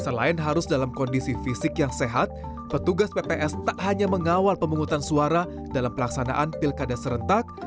selain harus dalam kondisi fisik yang sehat petugas pps tak hanya mengawal pemungutan suara dalam pelaksanaan pilkada serentak